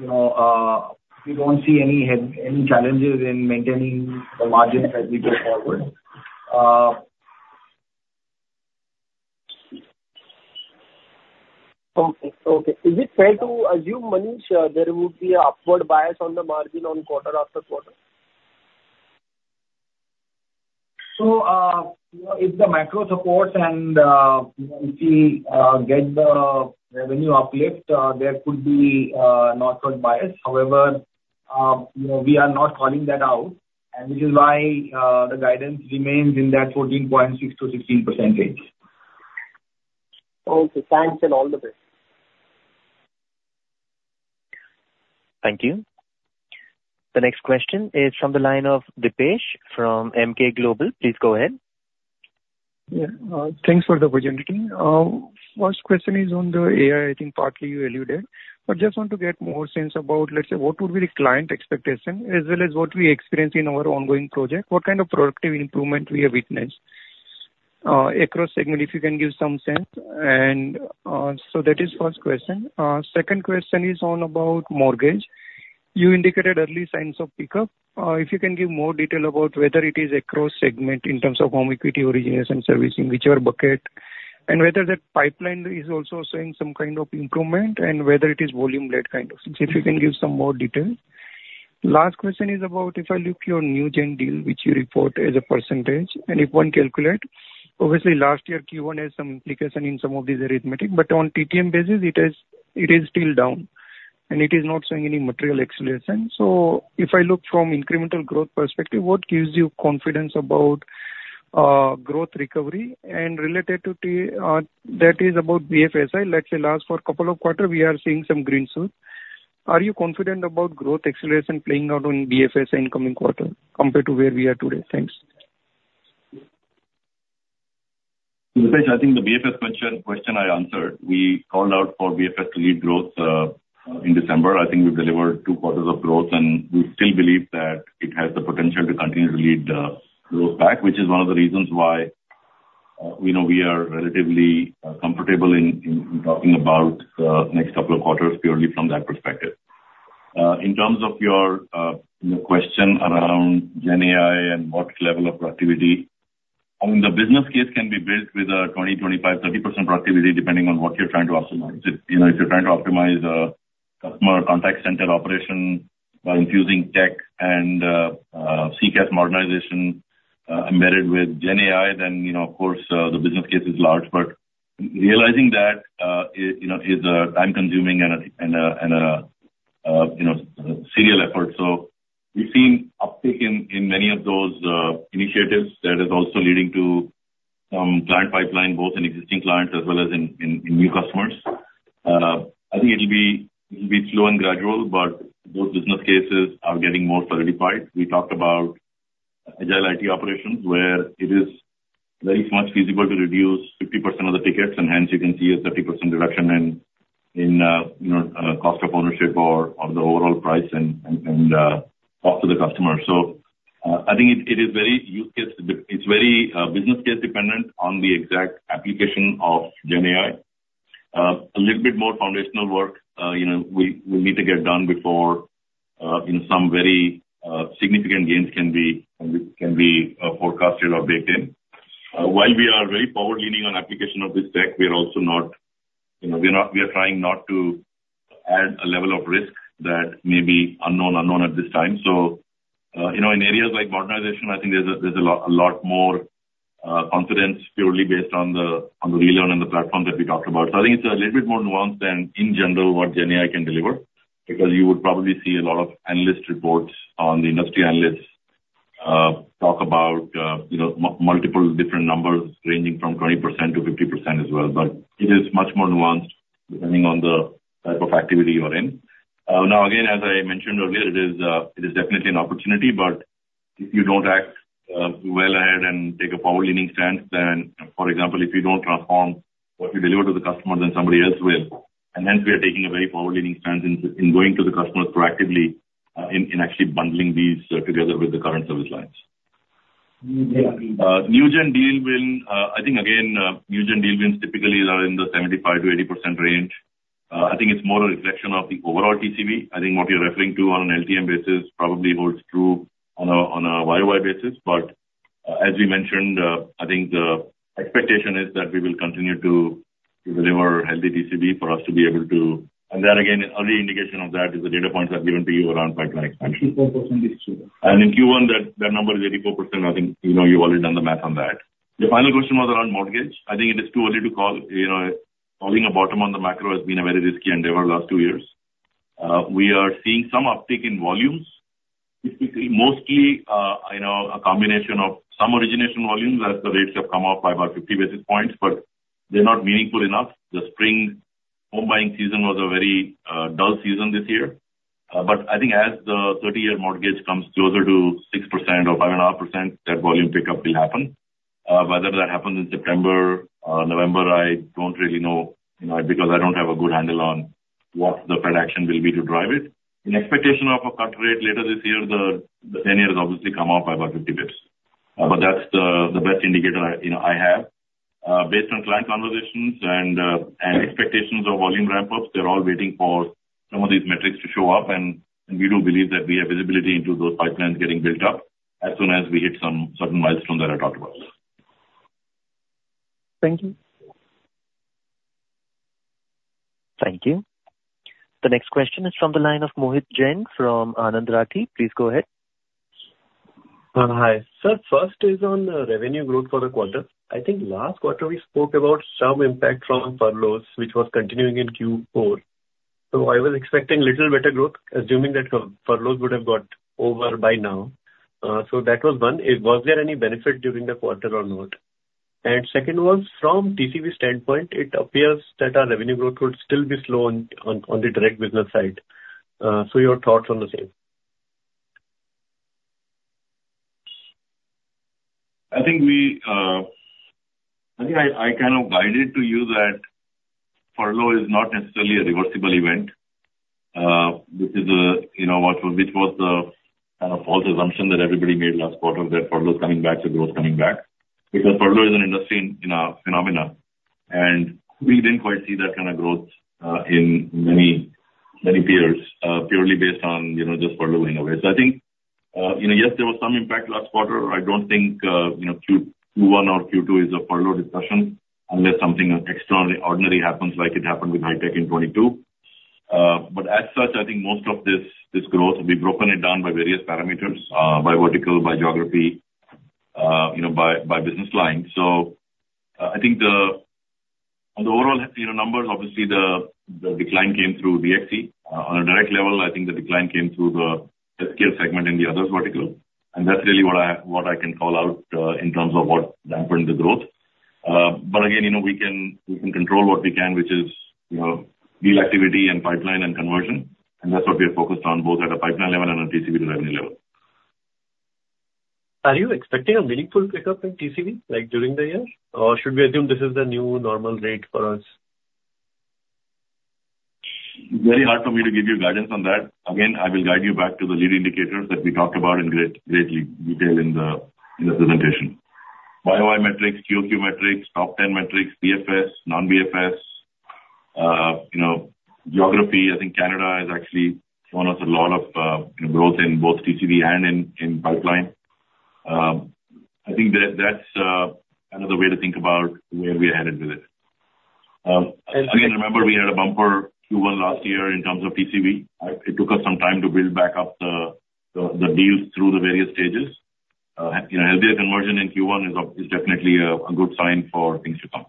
you know, we don't see any any challenges in maintaining the margins as we go forward. Okay, okay. Is it fair to assume, Manish, there would be an upward bias on the margin on quarter-after-quarter? So, you know, if the macro supports and, you know, we get the revenue uplift, there could be northward bias. However, you know, we are not calling that out, and which is why the guidance remains in that 14.6%-16%. Okay. Thanks and all the best. Thank you. The next question is from the line of Dipesh from Emkay Global. Please go ahead. Yeah. Thanks for the opportunity. First question is on the AI, I think partly you alluded, but just want to get more sense about, let's say, what would be the client expectation, as well as what we experience in our ongoing project? What kind of productive improvement we have witnessed across segment, if you can give some sense? So that is first question. Second question is on about mortgage. You indicated early signs of pickup. If you can give more detail about whether it is across segment in terms of home equity, origination, servicing, whichever bucket, and whether that pipeline is also seeing some kind of improvement, and whether it is volume-led kind of thing. If you can give some more detail. Last question is about if I look at your new gen deal, which you report as a percentage, and if one calculates, obviously last year, Q1 has some implication in some of these arithmetic, but on TTM basis, it is still down, and it is not showing any material acceleration. So if I look from incremental growth perspective, what gives you confidence about growth recovery? And related to that, that is about BFSI. Let's say last four a couple of quarters, we are seeing some green shoots. Are you confident about growth acceleration playing out on BFSI in coming quarters compared to where we are today? Thanks. Dipesh, I think the BFS question I answered. We called out for BFS to lead growth in December. I think we delivered two quarters of growth, and we still believe that it has the potential to continue to lead growth back, which is one of the reasons why, you know, we are relatively comfortable in talking about next couple of quarters purely from that perspective. In terms of your, you know, question around Gen AI and what level of productivity, I mean, the business case can be built with a 20, 25, 30% productivity, depending on what you're trying to optimize. If, you know, if you're trying to optimize a customer contact center operation by infusing tech and CCaaS modernization embedded with Gen AI, then, you know, of course, the business case is large. But realizing that is, you know, time-consuming and a serial effort. So we've seen uptick in many of those initiatives that is also leading to some client pipeline, both in existing clients as well as in new customers. I think it'll be slow and gradual, but those business cases are getting more solidified. We talked about Agile IT operations, where it is very much feasible to reduce 50% of the tickets, and hence you can see a 30% reduction in cost of ownership or the overall price and cost to the customer. So I think it is very use case, it's very business case dependent on the exact application of GenAI. A little bit more foundational work, you know, we need to get done before, you know, some very significant gains can be forecasted or baked in. While we are very forward-leaning on application of this tech, we are also not, you know, we are not—we are trying not to add a level of risk that may be unknown at this time. So, you know, in areas like modernization, I think there's a lot more confidence purely based on the relearn and the platform that we talked about. So I think it's a little bit more nuanced than in general what GenAI can deliver, because you would probably see a lot of analyst reports on the industry analysts talk about, you know, multiple different numbers, ranging from 20%-50% as well. But it is much more nuanced, depending on the type of activity you are in. Now, again, as I mentioned earlier, it is definitely an opportunity, but if you don't act well ahead and take a forward-leaning stance, then for example, if you don't transform what you deliver to the customer, then somebody else will. And hence we are taking a very forward-leaning stance in going to the customers proactively, in actually bundling these together with the current service lines. New gen deal. New gen deal wins typically are in the 75%-80% range. I think it's more a reflection of the overall TCV. I think what you're referring to on an LTM basis probably holds true on a, on a YoY basis. But, as we mentioned, I think the expectation is that we will continue to deliver healthy TCV for us to be able to... And then again, an early indication of that is the data points I've given to you around pipeline expansion. 54% is true. And in Q1, that, that number is 84%. I think, you know, you've already done the math on that. The final question was around mortgage. I think it is too early to call. You know, calling a bottom on the macro has been a very risky endeavor the last two years. We are seeing some uptick in volumes, mostly, you know, a combination of some origination volumes, as the rates have come up by about 50 basis points, but they're not meaningful enough. The spring home buying season was a very, dull season this year. But I think as the 30-year mortgage comes closer to 6% or 5.5%, that volume pickup will happen. Whether that happens in September or November, I don't really know, you know, because I don't have a good handle on what the Fed action will be to drive it. In expectation of a cut rate later this year, the ten-year has obviously come up by about 50 basis points. But that's the best indicator, you know, I have. Based on client conversations and expectations of volume ramp-ups, they're all waiting for some of these metrics to show up, and we do believe that we have visibility into those pipelines getting built up as soon as we hit some certain milestones that I talked about. Thank you. Thank you. The next question is from the line of Mohit Jain, from Anand Rathi. Please go ahead. Hi. Sir, first is on revenue growth for the quarter. I think last quarter we spoke about some impact from furloughs, which was continuing in Q4. So I was expecting little better growth, assuming that furloughs would have got over by now. So that was one. Was there any benefit during the quarter or not? And second was, from TCV standpoint, it appears that our revenue growth would still be slow on the direct business side. So your thoughts on the same? I think I kind of guided to you that furlough is not necessarily a reversible event. This is a, you know, what was, which was the false assumption that everybody made last quarter, that furlough is coming back, so growth coming back. Because furlough is an industry, you know, phenomena, and we didn't quite see that kind of growth in many, many peers, purely based on, you know, just furloughing away. So I think, you know, yes, there was some impact last quarter. I don't think, you know, Q1 or Q2 is a furlough discussion, unless something extraordinary happens, like it happened with high tech in 2022. But as such, I think most of this growth, we've broken it down by various parameters, by vertical, by geography, you know, by business line. So, I think on the overall, you know, numbers, obviously, the decline came through DXC. On a direct level, I think the decline came through the healthcare segment in the other vertical, and that's really what I can call out, in terms of what dampened the growth. But again, you know, we can control what we can, which is, you know, deal activity and pipeline and conversion, and that's what we are focused on, both at a pipeline level and a TCV to revenue level. Are you expecting a meaningful pickup in TCV, like, during the year? Or should we assume this is the new normal rate for us? Very hard for me to give you guidance on that. Again, I will guide you back to the lead indicators that we talked about in great, great detail in the presentation. YoY metrics, QoQ metrics, top ten metrics, BFS, non-BFS, you know, geography. I think Canada has actually shown us a lot of, you know, growth in both TCV and in pipeline. I think that's another way to think about where we're headed with it. Again, remember, we had a bumper Q1 last year in terms of TCV. It took us some time to build back up the deals through the various stages. You know, healthier conversion in Q1 is definitely a good sign for things to come.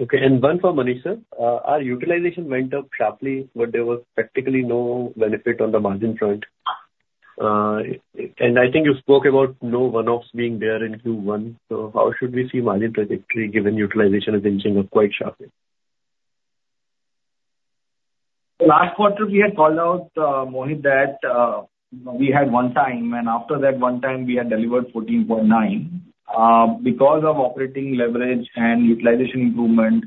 Okay, and one for Manish, sir. Our utilization went up sharply, but there was practically no benefit on the margin front. I think you spoke about no one-offs being there in Q1, so how should we see margin trajectory, given utilization is inching up quite sharply?... So last quarter, we had called out, Mohit, that we had one time, and after that one time, we had delivered 14.9, because of operating leverage and utilization improvement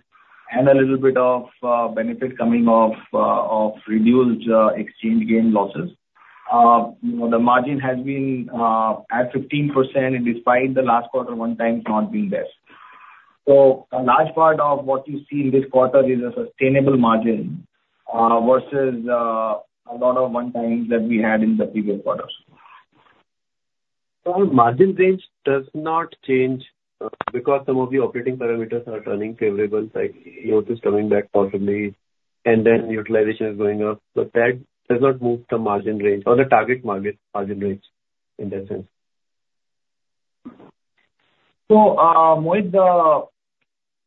and a little bit of benefit coming off of reduced exchange gain losses. You know, the margin has been at 15% and despite the last quarter, one time not being there. So a large part of what you see in this quarter is a sustainable margin versus a lot of one-times that we had in the previous quarters. So margin range does not change, because some of the operating parameters are turning favorable, like yield is coming back possibly, and then utilization is going up. So that does not move the margin range or the target margin, margin range in that sense? So, Mohit, the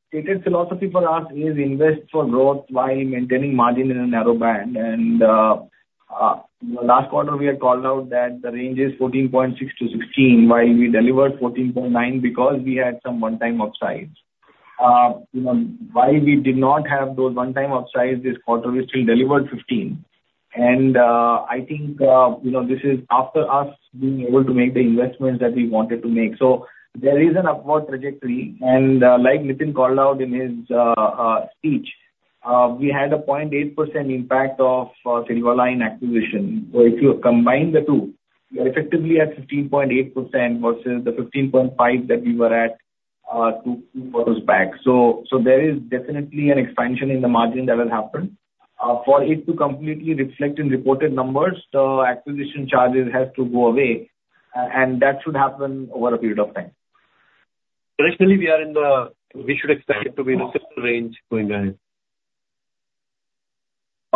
stated philosophy for us is invest for growth by maintaining margin in a narrow band. And, last quarter, we had called out that the range is 14.6%-16%, while we delivered 14.9% because we had some one-time upsides. You know, while we did not have those one-time upsides this quarter, we still delivered 15%. And, I think, you know, this is after us being able to make the investments that we wanted to make. So there is an upward trajectory, and, like Nitin called out in his speech, we had a 0.8% impact of Silverline acquisition. So if you combine the two, we are effectively at 15.8% versus the 15.5% that we were at, two quarters back. So, there is definitely an expansion in the margin that will happen. For it to completely reflect in reported numbers, the acquisition charges has to go away, and that should happen over a period of time. Traditionally, we are in the, we should expect it to be in the similar range going ahead.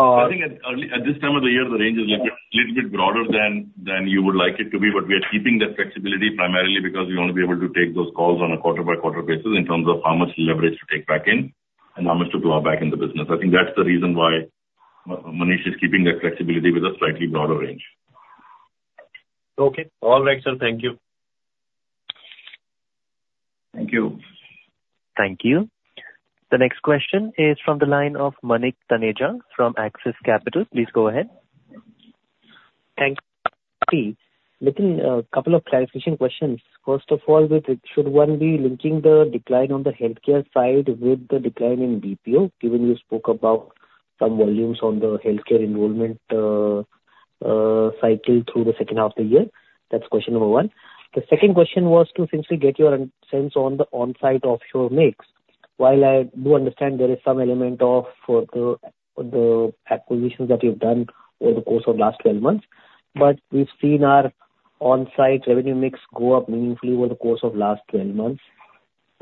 Uh- I think at early, at this time of the year, the range is, like, a little bit broader than, than you would like it to be, but we are keeping that flexibility primarily because we want to be able to take those calls on a quarter-by-quarter basis in terms of how much leverage to take back in and how much to plow back in the business. I think that's the reason why Manish is keeping that flexibility with a slightly broader range. Okay. All right, sir. Thank you. Thank you. Thank you. The next question is from the line of Manik Taneja from Axis Capital. Please go ahead. Thanks. Nitin, a couple of clarification questions. First of all, with it, should one be linking the decline on the healthcare side with the decline in BPO, given you spoke about some volumes on the healthcare enrollment cycle through the second half of the year? That's question number one. The second question was to simply get your sense on the onsite-offshore mix. While I do understand there is some element of the acquisitions that you've done over the course of last 12 months, but we've seen our onsite revenue mix go up meaningfully over the course of last 12 months.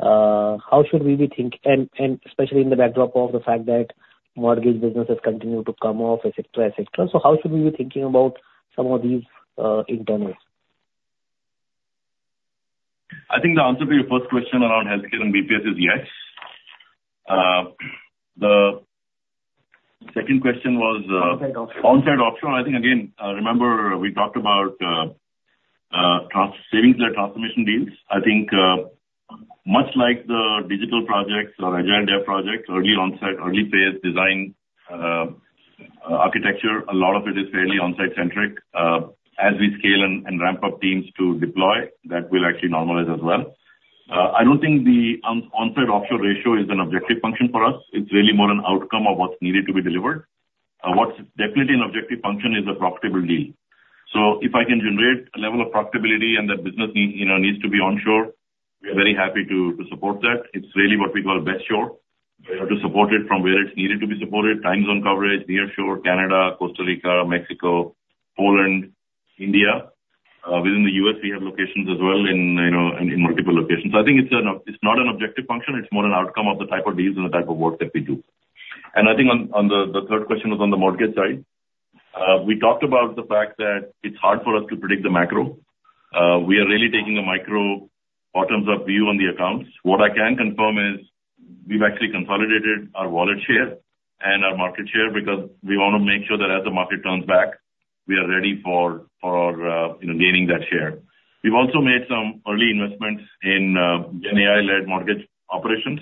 How should we be thinking? And especially in the backdrop of the fact that mortgage businesses continue to come off, et cetera, et cetera. So how should we be thinking about some of these internals? I think the answer to your first question around healthcare and BPS is yes. The second question was, Onsite-offshore. Onsite-offshore. I think again, remember we talked about, transaction Savings-led Transformation deals. I think, much like the digital projects or Agile dev projects, early onsite, early phase design, architecture, a lot of it is fairly onsite-centric. As we scale and ramp up teams to deploy, that will actually normalize as well. I don't think the onsite-offshore ratio is an objective function for us. It's really more an outcome of what's needed to be delivered. What's definitely an objective function is a profitable deal. So if I can generate a level of profitability and that business need, you know, needs to be onshore, we are very happy to support that. It's really what we call best shore. We have to support it from where it's needed to be supported, time zone coverage, nearshore, Canada, Costa Rica, Mexico, Poland, India. Within the U.S., we have locations as well in, you know, multiple locations. So I think it's not an objective function, it's more an outcome of the type of deals and the type of work that we do. And I think on the third question was on the mortgage side. We talked about the fact that it's hard for us to predict the macro. We are really taking a micro bottoms-up view on the accounts. What I can confirm is we've actually consolidated our wallet share and our market share because we want to make sure that as the market turns back, we are ready for, you know, gaining that share. We've also made some early investments in GenAI-led mortgage operations.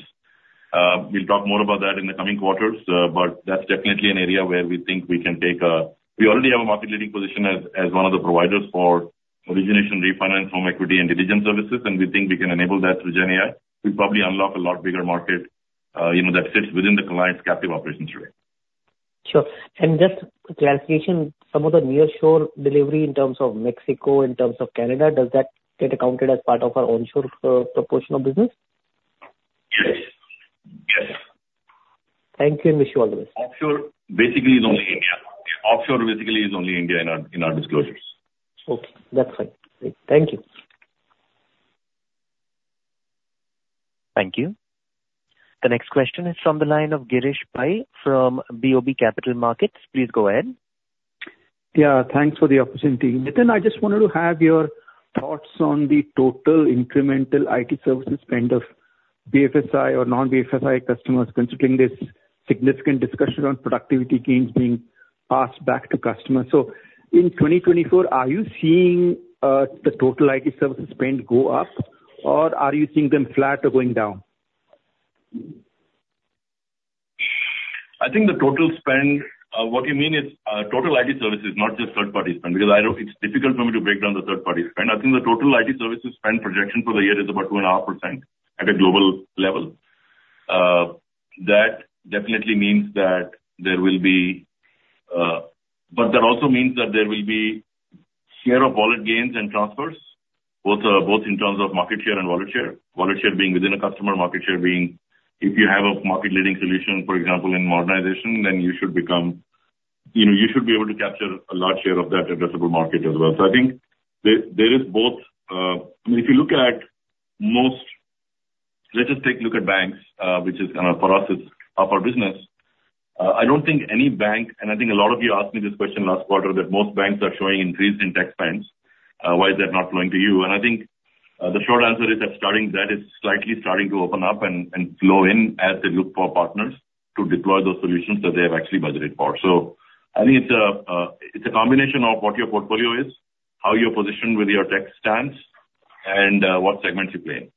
We'll talk more about that in the coming quarters, but that's definitely an area where we think we can take a... We already have a market leading position as one of the providers for origination, refinance, home equity and diligence services, and we think we can enable that through GenAI. We'll probably unlock a lot bigger market, you know, that fits within the client's captive operations today. Sure. And just clarification, some of the nearshore delivery in terms of Mexico, in terms of Canada, does that get accounted as part of our onshore, proportion of business? Yes. Yes. Thank you, and wish you all the best. Offshore basically is only India. Offshore basically is only India in our disclosures. Okay, that's fine. Great. Thank you. Thank you. The next question is from the line of Girish Pai from BOB Capital Markets. Please go ahead. Yeah, thanks for the opportunity. Nitin, I just wanted to have your thoughts on the total incremental IT services spend of BFSI or non-BFSI customers, considering this significant discussion on productivity gains being passed back to customers. So in 2024, are you seeing the total IT services spend go up, or are you seeing them flat or going down?... I think the total spend, what you mean is, total IT services, not just third party spend, because I know it's difficult for me to break down the third party spend. I think the total IT services spend projection for the year is about 2.5% at a global level. That definitely means that there will be, but that also means that there will be share of wallet gains and transfers, both, both in terms of market share and wallet share. Wallet share being within a customer, market share being if you have a market leading solution, for example, in modernization, then you should become, you know, you should be able to capture a large share of that addressable market as well. So I think there is both, I mean, if you look at most let us take a look at banks, which is, for us, it's our business. I don't think any bank, and I think a lot of you asked me this question last quarter, that most banks are showing increase in tech spends. Why is that not flowing to you? And I think the short answer is that starting that is slightly starting to open up and flow in as they look for partners to deploy those solutions that they have actually budgeted for. So I think it's a combination of what your portfolio is, how you're positioned with your tech stance, and what segments you play in.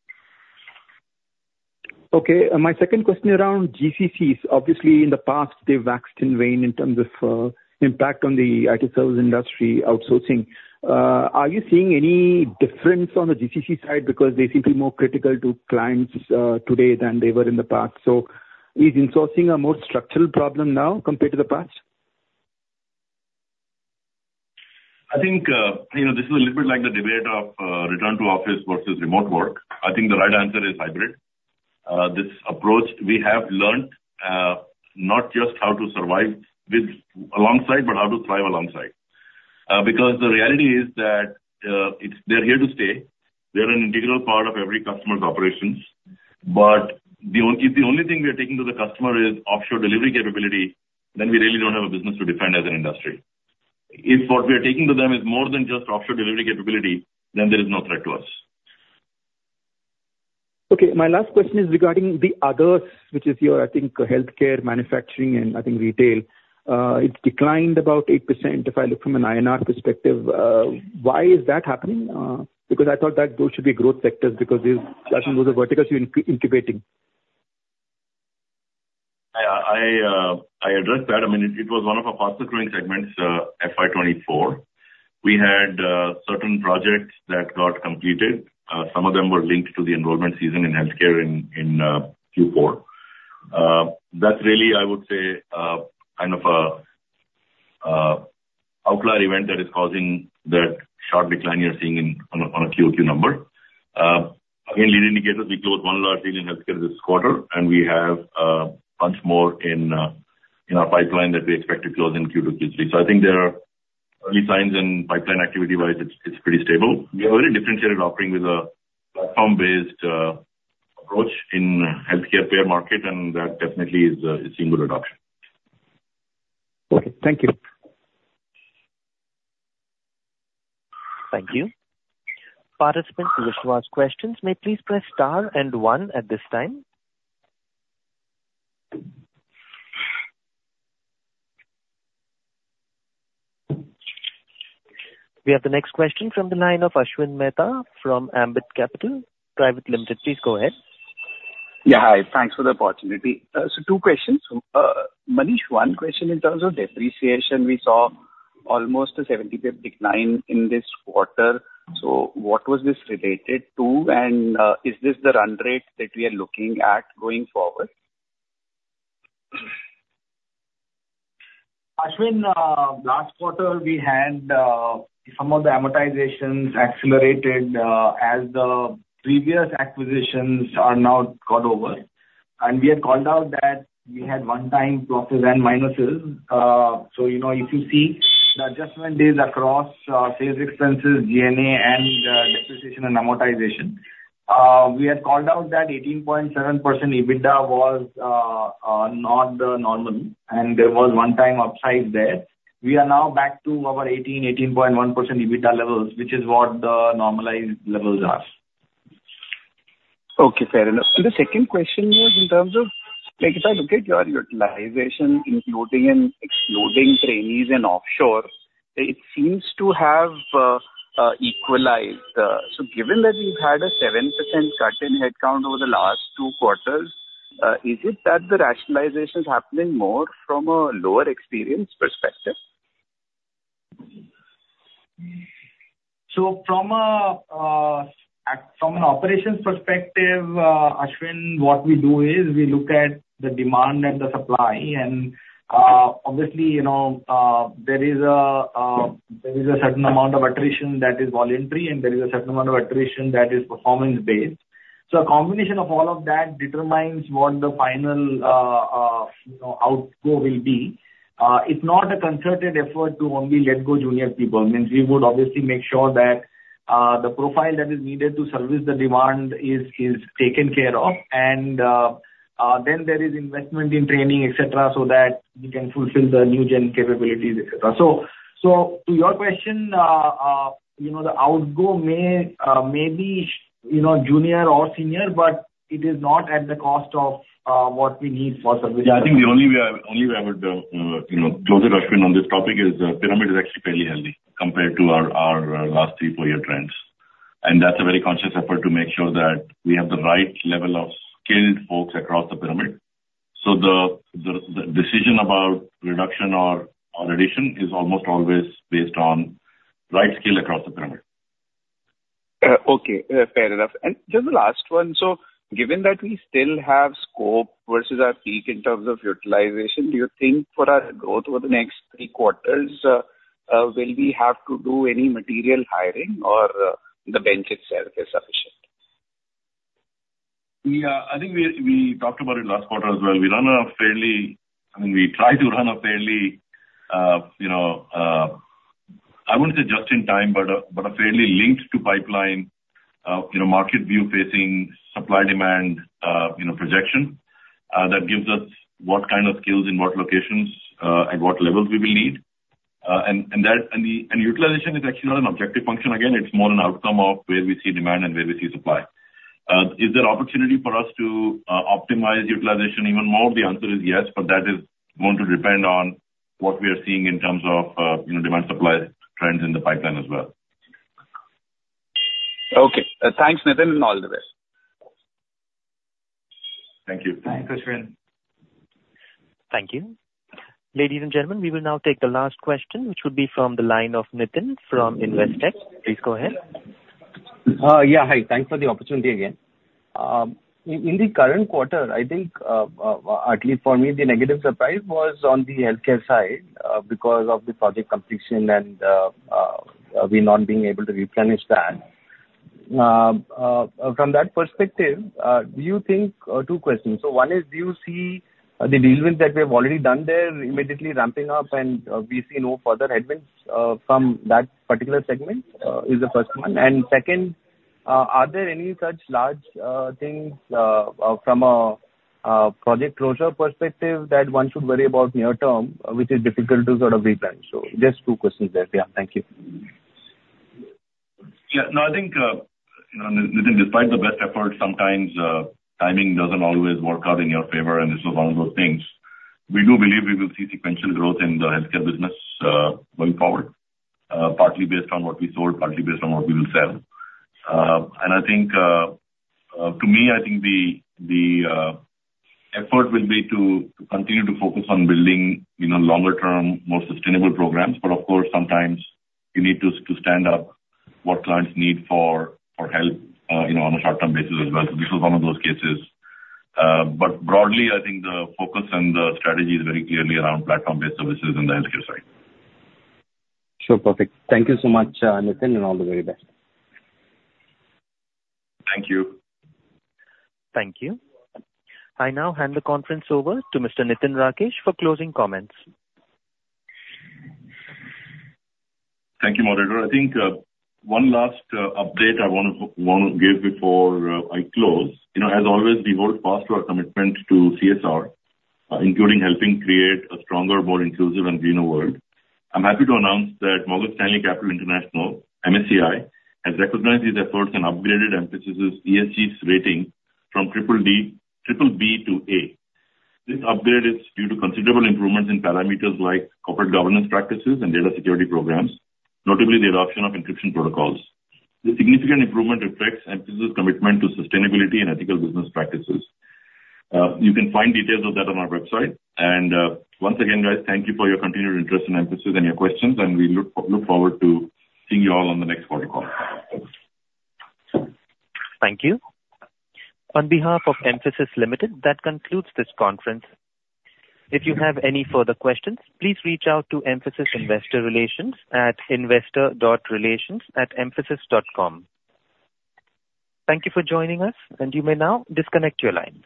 Okay. My second question around GCCs. Obviously, in the past, they've waxed and waned in terms of impact on the IT services industry outsourcing. Are you seeing any difference on the GCC side? Because they seem to be more critical to clients today than they were in the past. So is insourcing a more structural problem now compared to the past? I think, you know, this is a little bit like the debate of, return to office versus remote work. I think the right answer is hybrid. This approach, we have learned, not just how to survive with alongside, but how to thrive alongside. Because the reality is that, it's—they're here to stay. They are an integral part of every customer's operations, but if the only thing we are taking to the customer is offshore delivery capability, then we really don't have a business to defend as an industry. If what we are taking to them is more than just offshore delivery capability, then there is no threat to us. Okay. My last question is regarding the Others, which is your, I think, healthcare, manufacturing, and I think retail. It's declined about 8% if I look from an INR perspective. Why is that happening? Because I thought that those should be growth sectors, because those, I think those are verticals you're incubating. I addressed that. I mean, it was one of our faster growing segments, FY 2024. We had certain projects that got completed. Some of them were linked to the enrollment season in healthcare in Q4. That's really, I would say, kind of a outlier event that is causing that sharp decline you're seeing in on a QoQ number. Again, lead indicators, we closed one large deal in healthcare this quarter, and we have much more in our pipeline that we expect to close in Q2, Q3. So I think there are early signs and pipeline activity-wise, it's pretty stable. We have a very differentiated offering with a platform-based approach in healthcare payer market, and that definitely is seeing good adoption. Okay, thank you. Thank you. Participants who wish to ask questions may please press star and one at this time. We have the next question from the line of Ashwin Mehta from Ambit Capital Private Limited. Please go ahead. Yeah, hi. Thanks for the opportunity. So two questions. Manish, one question in terms of depreciation. We saw almost a 70% decline in this quarter. So what was this related to? And, is this the run rate that we are looking at going forward? Ashwin, last quarter, we had some of the amortizations accelerated as the previous acquisitions are now gone over. And we had called out that we had one-time profits and minuses. So, you know, if you see the adjustment is across sales expenses, G&A, and depreciation and amortization. We had called out that 18.7% EBITDA was not normal, and there was one-time upside there. We are now back to our 18, 18.1% EBITDA levels, which is what the normalized levels are. Okay, fair enough. So the second question was in terms of, like, if I look at your utilization, including and excluding trainees and offshore, it seems to have equalized. So given that you've had a 7% cut in headcount over the last two quarters, is it that the rationalization is happening more from a lower experience perspective? So from an operations perspective, Ashwin, what we do is, we look at the demand and the supply, and, obviously, you know, there is a certain amount of attrition that is voluntary, and there is a certain amount of attrition that is performance based. So a combination of all of that determines what the final, you know, outgo will be. It's not a concerted effort to only let go junior people. Means we would obviously make sure that the profile that is needed to service the demand is taken care of, and then there is investment in training, et cetera, so that we can fulfill the New Gen capabilities, et cetera. So, to your question, you know, the outgo may be, you know, junior or senior, but it is not at the cost of what we need for service. Yeah, I think the only way I, only way I would, you know, close it, Ashwin, on this topic is the pyramid is actually fairly healthy compared to our, our last three, four-year trends. And that's a very conscious effort to make sure that we have the right level of skilled folks across the pyramid. So the decision about reduction or addition is almost always based on right scale across the pyramid. Okay, fair enough. And just the last one: so given that we still have scope versus our peak in terms of utilization, do you think for our growth over the next three quarters, will we have to do any material hiring or, the bench itself is sufficient? I think we talked about it last quarter as well. We run a fairly—I mean, we try to run a fairly, you know, I wouldn't say just-in-time, but a fairly linked to pipeline, you know, market view facing supply-demand, you know, projection. And that utilization is actually not an objective function again, it's more an outcome of where we see demand and where we see supply. Is there opportunity for us to optimize utilization even more? The answer is yes, but that is going to depend on what we are seeing in terms of, you know, demand, supply trends in the pipeline as well. Okay. Thanks, Nitin, and all the best. Thank you. Thanks, Ashwin. Thank you. Ladies and gentlemen, we will now take the last question, which will be from the line of Nitin from Investec. Please go ahead. Yeah, hi. Thanks for the opportunity again. In the current quarter, I think, at least for me, the negative surprise was on the healthcare side, because of the project completion and we not being able to replenish that. From that perspective, do you think... Two questions. One is, do you see the deals that we have already done there immediately ramping up and we see no further headwinds from that particular segment? Is the first one. And second, are there any such large things from a project closure perspective that one should worry about near term, which is difficult to sort of replenish? Just two questions there. Yeah, thank you. Yeah. No, I think, you know, Nitin, despite the best efforts, sometimes, timing doesn't always work out in your favor, and this was one of those things. We do believe we will see sequential growth in the healthcare business, going forward, partly based on what we sold, partly based on what we will sell. And I think, to me, I think the effort will be to continue to focus on building, you know, longer term, more sustainable programs. But of course, sometimes you need to stand up what clients need for help, you know, on a short-term basis as well. So this was one of those cases. But broadly, I think the focus and the strategy is very clearly around platform-based services in the healthcare side. Sure. Perfect. Thank you so much, Nitin, and all the very best. Thank you. Thank you. I now hand the conference over to Mr. Nitin Rakesh for closing comments. Thank you, moderator. I think one last update I wanna give before I close. You know, as always, we hold fast to our commitment to CSR, including helping create a stronger, more inclusive and greener world. I'm happy to announce that Morgan Stanley Capital International, MSCI, has recognized these efforts and upgraded Mphasis' ESG rating from BBB to A. This upgrade is due to considerable improvements in parameters like corporate governance practices and data security programs, notably the adoption of encryption protocols. This significant improvement reflects Mphasis' commitment to sustainability and ethical business practices. You can find details of that on our website. Once again, guys, thank you for your continued interest in Mphasis and your questions, and we look forward to seeing you all on the next quarter call. Thank you. On behalf of Mphasis Limited, that concludes this conference. If you have any further questions, please reach out to Mphasis Investor Relations at investor.relations@mphasis.com. Thank you for joining us, and you may now disconnect your lines.